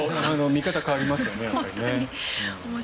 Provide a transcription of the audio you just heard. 見方が変わりますよね。